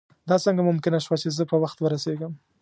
دا څنګه ممکنه شوه چې زه په وخت ورسېږم.